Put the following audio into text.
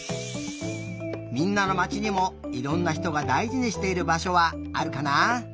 みんなのまちにもいろんなひとがだいじにしているばしょはあるかな？